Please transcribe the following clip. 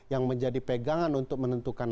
yang menjadi pegangan untuk menentukan